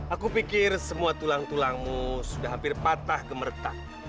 aku pikir semua tulang tulangmu sudah hampir patah gemerta